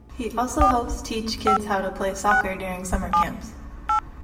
He also helps teach kids how to play soccer during summer camps.